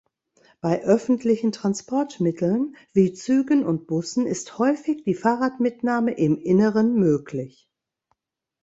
Bei öffentlichen Transportmitteln, wie Zügen und Bussen ist häufig die Fahrradmitnahme im Inneren möglich.